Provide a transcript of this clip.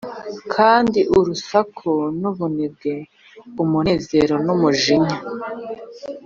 kandi urusaku n'ubunebwe, umunezero n'umwijima.